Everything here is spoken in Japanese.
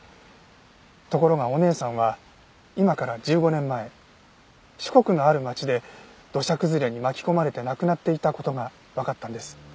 ところがお姉さんは今から１５年前四国のある町で土砂崩れに巻き込まれて亡くなっていた事がわかったんです。